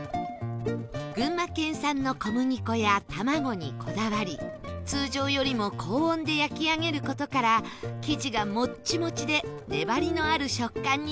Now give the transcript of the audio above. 群馬県産の小麦粉や卵にこだわり通常よりも高温で焼き上げる事から生地がモッチモチで粘りのある食感になるんだそう